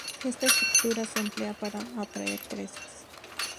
Esta estructura se emplea para atraer presas.